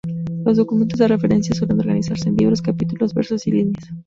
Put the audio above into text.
Los documentos de referencia suelen organizarse en libros, capítulos, versos y líneas.